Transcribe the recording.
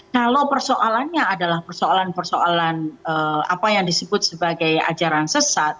kalau persoalannya adalah persoalan persoalan apa yang disebut sebagai ajaran sesat